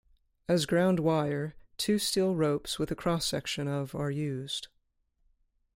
As ground wire two steel ropes with a cross section of are used.